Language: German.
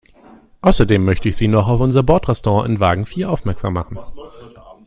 Außerdem möchte ich Sie noch auf unser Bordrestaurant in Wagen vier aufmerksam machen.